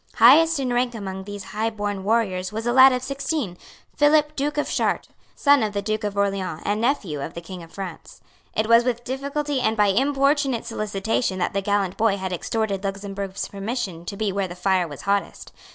Highest in rank among these highborn warriors was a lad of sixteen, Philip Duke of Chartres, son of the Duke of Orleans, and nephew of the King of France. It was with difficulty and by importunate solicitation that the gallant boy had extorted Luxemburg's permission to be where the fire was hottest.